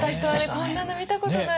「こんなの見たことない！」